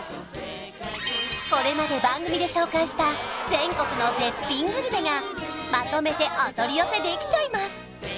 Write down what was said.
これまで番組で紹介した全国の絶品グルメがまとめてお取り寄せできちゃいます